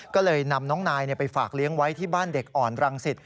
ก็เลยนำน้องนายไปฝากเลี้ยงไว้ที่บ้านเด็กอ่อนรังสิต